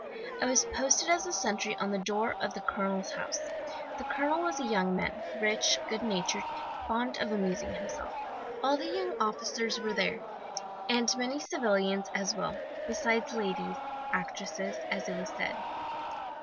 "I was posted as sentry on the door of the colonel's house. The colonel was a young man, rich, good natured, fond of amusing himself. All the young officers were there, and many civilians as well, besides ladies actresses, as it was said.